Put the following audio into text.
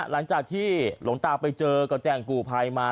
หลังจากที่หลวงตาไปเจอก็แจ้งกู้ภัยมา